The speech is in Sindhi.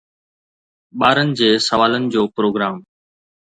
ٻارن جي سوالن جو پروگرام